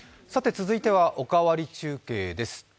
続いては「おかわり中継」です。